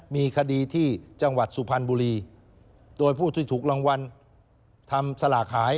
มีคดีที่จังหวัดสุพรรณบุรีโดยผู้ที่ถูกรางวัลทำสลากหาย